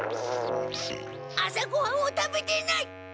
朝ごはんを食べてない！